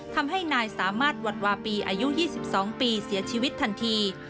ทำให้นายสามารถหวัดวาปีอายุ๒๒ปีเสียชีวิตทันที